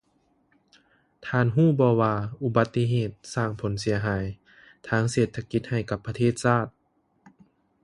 ທ່ານຮູ້ບໍວ່າ? ອຸບັດຕິເຫດສ້າງຜົນເສຍຫາຍທາງເສດຖະກິດໃຫ້ກັບປະເທດຊາດ!